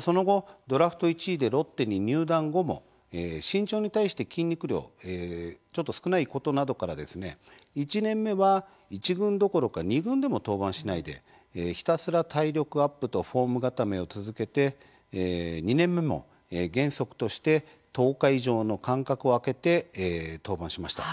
その後、ドラフト１位でロッテに入団後も身長に対して筋肉量ちょっと少ないことなどから１年目は、一軍どころか二軍でも登板しないでひたすら体力アップとフォーム固めを続けて２年目も原則として１０日以上の間隔を空けて登板しました。